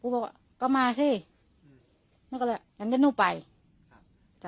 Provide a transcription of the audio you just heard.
กูบอกว่าก็มาสิอืมนุ๊กก็เลยยังไงนุ๊กไปครับจ้ะ